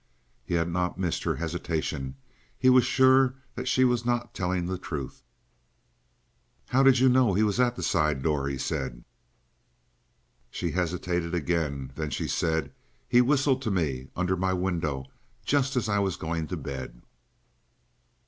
He had not missed her hesitation; he was sure that she was not telling the truth. "How did you know he was at the side door?" he said. She hesitated again. Then she said: "He whistled to me under my window just as I was going to bed."